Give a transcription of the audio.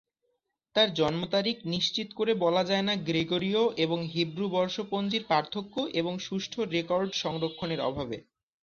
তার জন্ম তারিখ নিশ্চিত করে বলা যায়না গ্রেগরীয় এবং হিব্রু বর্ষপঞ্জির পার্থক্য এবং সুষ্ঠু রেকর্ড সংরক্ষণের অভাবে।